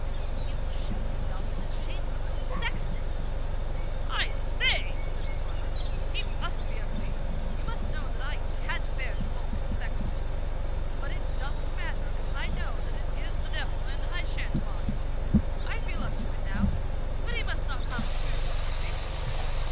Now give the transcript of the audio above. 'He will show himself in the shape of a sexton!' 'I say!' said the farmer, 'he must be ugly! You must know that I can't bear to look at a sexton! But it doesn't matter. I know that it is the Devil, and I sha'n't mind! I feel up to it now. But he must not come too near me!